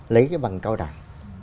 lấy cái bằng cao đẳng